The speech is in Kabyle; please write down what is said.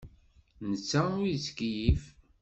Netta ur yettkeyyif.